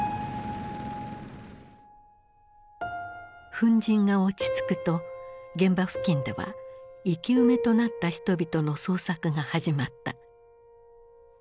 粉じんが落ち着くと現場付近では生き埋めとなった人々の捜索が始まった。